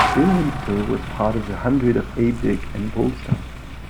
Ilminster was part of the hundred of Abdick and Bulstone.